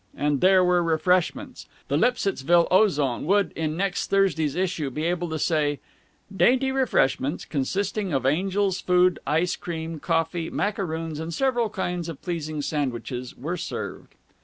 And there were refreshments. The Lipsittsville Ozone would, in next Thursday's issue, be able to say, "Dainty refreshments, consisting of angel's food, ice cream, coffee, macaroons, and several kinds of pleasing sandwiches, were served."